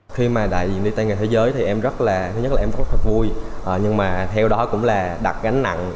khi mà đại diện đi tây nghề thế giới thì em rất là vui nhưng mà theo đó cũng là đặt gánh nặng